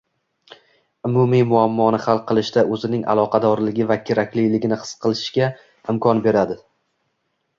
umumiy muammoni hal qilishda o‘zining aloqadorligi va kerakligini his qilishga imkon beradi.